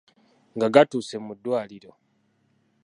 Nga gatuuse mu ddwaliro,